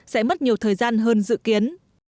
sẽ mất nhiều thời gian hơn dự kiến